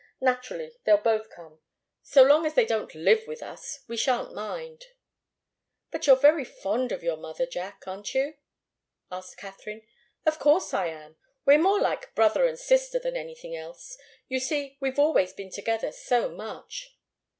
"Naturally, they'll both come. So long as they don't live with us, we shan't mind." "But you're very fond of your mother, Jack, aren't you?" asked Katharine. "Of course I am. We're more like brother and sister than anything else. You see, we've always been together so much."